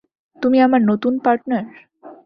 তুমি আমার নতুন পার্টনার?